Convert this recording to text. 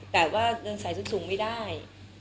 แต่ว่าเดินสายสุดสูงไม่ได้